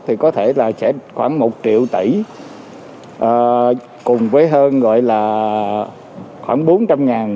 thì có thể là sẽ khoảng một triệu tỷ cùng với hơn gọi là khoảng bốn trăm linh